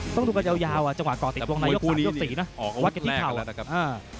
ต้องดูกันยาวจังหวะก่อติดตรงในยุคสามยุคสี่นะวัดกันที่เข่า